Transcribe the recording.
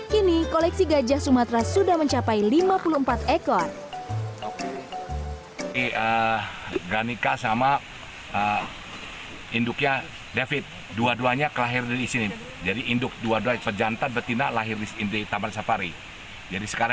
kini koleksi gajah sumatera sudah mencapai lima puluh empat ekor